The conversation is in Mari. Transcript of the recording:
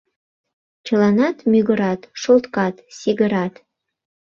Чыланат мӱгырат, шолткат, сигырат.